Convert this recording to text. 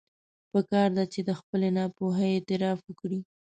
پکار ده چې د خپلې ناپوهي اعتراف وکړي.